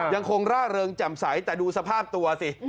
ยังคงล่าเริงจำใสแต่ดูสภาพตัวสิ